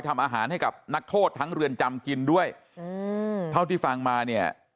ทำอาหารให้กับนักโทษทั้งเรือนจำกินด้วยอืมเท่าที่ฟังมาเนี่ย